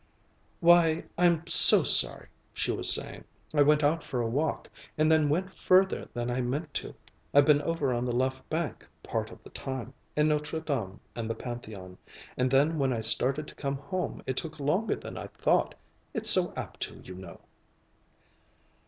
"Why, I'm so sorry," she was saying. "I went out for a walk, and then went further than I meant to. I've been over on the left bank part of the time, in Notre Dame and the Pantheon. And then when I started to come home it took longer than I thought. It's so apt to, you know."